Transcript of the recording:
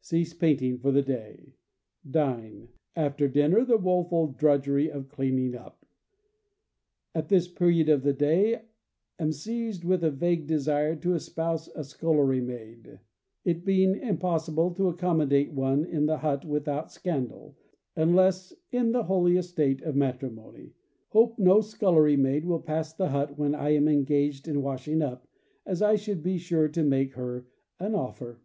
Cease painting for the day. Dine ... After dinner the woeful drudgery of cleaniQg up! At this period of the day am seized with a vague desire to espouse a scullery maid, it being impossible to accommodate one in the hut without scandal, unless in the holy state of matrimony: hope no scullery maid will pass the hut when I am engaged in wash ing up, as I should be sure to make her an offer.